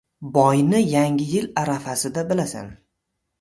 • Boyni yangi yil arafasida bilasan